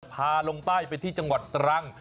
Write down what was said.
พาลงใต้ไปที่จังหวัดตรัง